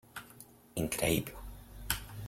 Increïble.